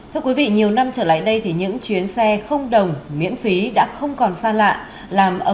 thưa quý vị nhiều năm trở lại đây thì những chuyến xe không đồng miễn phí đã không còn xa lạ